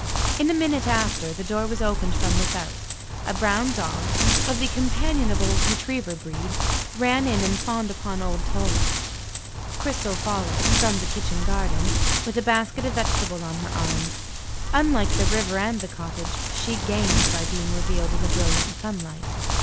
In a minute after, the door was opened from without. A brown dog, of the companionable retriever breed, ran in and fawned upon old Toller. Cristel followed (from the kitchen garden), with a basket of vegetables on her arm. Unlike the river and the cottage, she gained by being revealed in the brilliant sunlight.